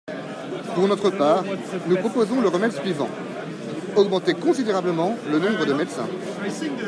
Pour notre part, nous proposons le remède suivant : augmenter considérablement le nombre de médecins.